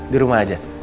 di rumah aja